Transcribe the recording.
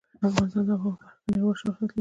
افغانستان د آب وهوا په برخه کې نړیوال شهرت لري.